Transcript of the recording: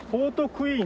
クイーン